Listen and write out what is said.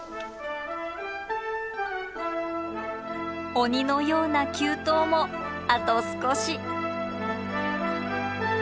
鬼のような急登もあと少し。